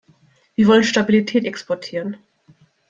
Wir wollen Stabilität exportieren.